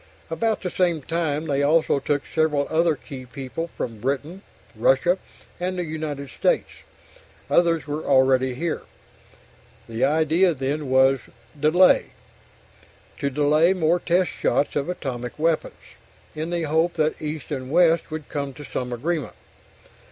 About the same time, they also took several other key people from Britain, Russia, and the United States. Others were already here. The idea then was delay to delay more test shots of atomic weapons, in the hope that East and West would come to some agreement.